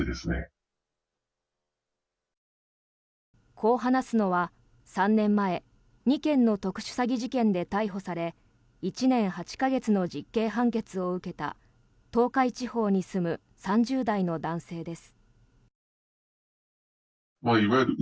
こう話すのは３年前２件の特殊詐欺事件で逮捕され１年８か月の実刑判決を受けた東海地方に住む３０代の男性です。